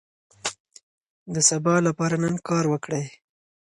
د سبا لپاره نن کار وکړئ.